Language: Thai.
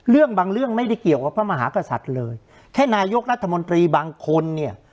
เรื่องบางเรื่องไม่ได้เกี่ยวกับพระมหากษัตริย์เลยแค่นายกรัฐมนตรีบางคนเนี่ย